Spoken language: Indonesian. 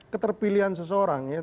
keterpilihan seseorang ya